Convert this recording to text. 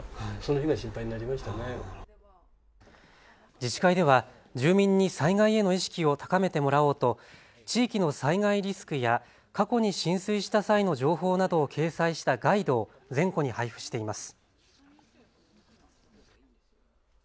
自治会では住民に災害への意識を高めてもらおうと地域の災害リスクや過去に浸水した際の情報などを掲載したガイドを全戸に配布しています。